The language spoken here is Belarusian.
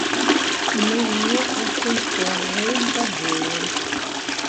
Мы не асэнсоўваем падзеі.